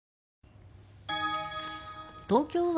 東京湾